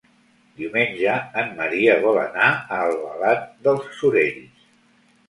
Diumenge en Maria vol anar a Albalat dels Sorells.